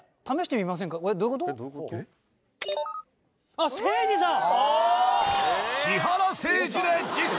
あっせいじさん！